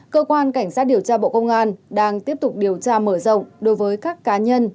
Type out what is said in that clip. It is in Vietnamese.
cơ quan cảnh sát điều tra bộ công an đang tiếp tục điều tra mở rộng đối với các cá nhân